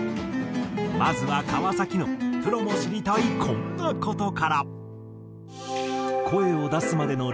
まずは川崎のプロも知りたいこんな事から。